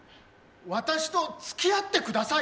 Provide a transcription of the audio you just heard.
私とつきあってください！？